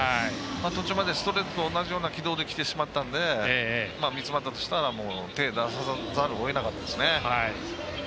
途中までストレートと同じような軌道できてしまったので三ツ俣としてはもう、手を出さざるをえなかったですね。